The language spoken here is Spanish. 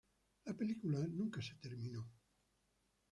La película nunca se terminó.